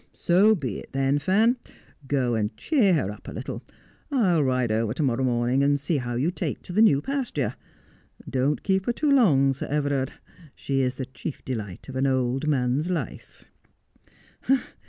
' So be it then, Fan. Go and cheer her up a little. I'll ride over to morrow morning and see how you take to the new pasture. Don't keep her too long, Sir Everard ; she is the chief delight of an old man's life.'